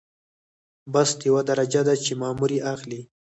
بست یوه درجه ده چې مامور یې اخلي.